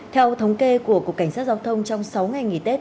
theo thống kê của cục cảnh sát giao thông trong sáu ngày nghỉ tết